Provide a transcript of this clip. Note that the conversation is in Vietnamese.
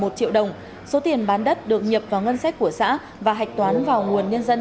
một trăm một mươi một triệu đồng số tiền bán đất được nhập vào ngân sách của xã và hạch toán vào nguồn nhân dân